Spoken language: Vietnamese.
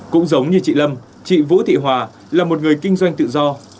cũng giống như chị lâm chị vũ thị hòa là một người kinh doanh tự do